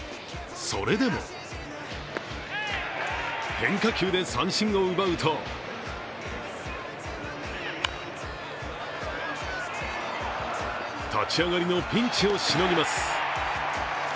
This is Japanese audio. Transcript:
それでも変化球で三振を奪うと立ち上がりのピンチをしのぎます。